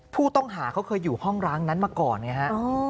ผู้ต้องหาเขาเคยอยู่ห้องร้างนั้นมาก่อนไงฮะ